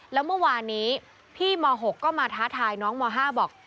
แล้วเมื่อวานนี้พี่ม๖ก็มาท้าทายน้องม๕บอก